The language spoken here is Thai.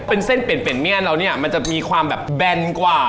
เป็นเส้นเปียงเปียงเมียนเราเนี่ยมันจะมีความแบนกว่า